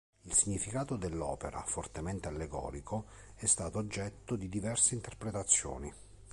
Il significato dell'opera, fortemente allegorico, è stato oggetto di diverse interpretazioni.